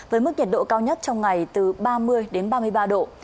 với mức nhiệt độ cao nhất trong ngày từ ba mươi đến ba mươi ba độ